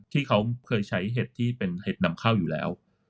ที่เขาเคยใช้เห็ดที่เป็นเห็ดนำเข้าอยู่แล้ว